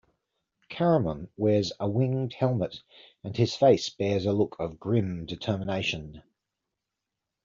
Caramon wears a winged helmet, and his face bears a look of grim determination.